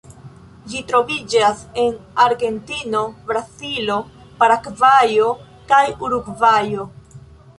Ĝi troviĝas en Argentino, Brazilo, Paragvajo kaj Urugvajo.